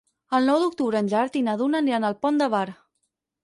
El nou d'octubre en Gerard i na Duna aniran al Pont de Bar.